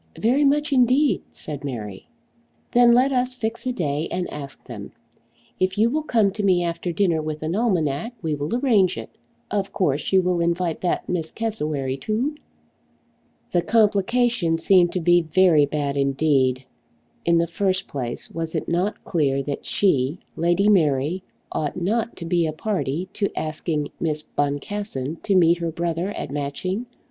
"Very much indeed," said Mary. "Then let us fix a day and ask them. If you will come to me after dinner with an almanac we will arrange it. Of course you will invite that Miss Cassewary too?" The complication seemed to be very bad indeed. In the first place was it not clear that she, Lady Mary, ought not to be a party to asking Miss Boncassen to meet her brother at Matching?